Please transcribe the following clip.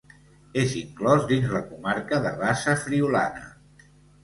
És inclòs dins la comarca de Bassa Friülana.